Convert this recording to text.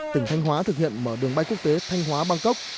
tỉnh thanh hóa thực hiện mở đường bay quốc tế thanh hóa bằng cốc